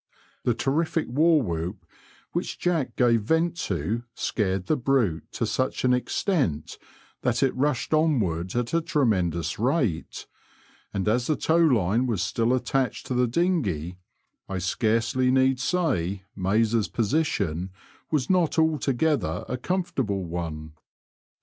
The terrific war whoop which Jack gave vent to scared the brute to such an extent that it rushed onward at a tremendous rate^ and as the tow line W8S still attached to the dinghey, I scarcely need say Mayes* position was not altogether a com fortable one.